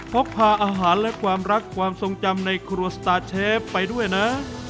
พกพาอาหารและความรักความทรงจำในครัวสตาร์เชฟไปด้วยนะ